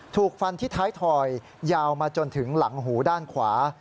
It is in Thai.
ถูกฟันที่ท้ายถอยยาวมาจนถึงหลังหูด้านขวา